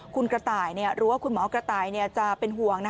คุณกระต่ายหรือว่าคุณหมอกระต่ายจะเป็นห่วง